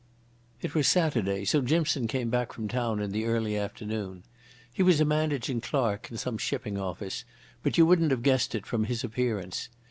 It was a Saturday, so Jimson came back from town in the early afternoon. He was a managing clerk in some shipping office, but you wouldn't have guessed it from his appearance.